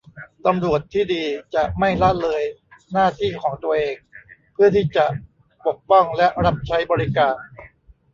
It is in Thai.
ตำรวจที่ดีจะไม่ละเลยหน้าที่ของตัวเองเพื่อที่จะปกป้องและรับใช้บริการ